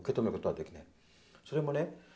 それもね